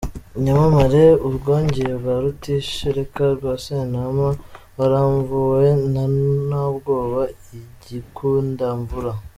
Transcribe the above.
Inyamamare :”Ubwogeye “ bwa Rutishereka rwa Sentama, bwaramvuwe na Ntabwoba i Gikundamvura.